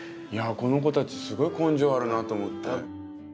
この子たちすごい根性あるなと思って。